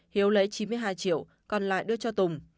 hiếu lấy chín mươi hai triệu còn lại đưa cho tùng